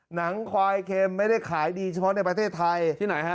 หนังควายเค็มไม่ได้ขายดีเฉพาะในประเทศไทยที่ไหนฮะ